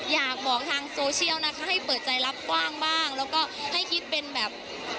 อยากบอกทางโซเชียลนะคะให้เปิดใจรับกว้างบ้างแล้วก็ให้คิดเป็นแบบ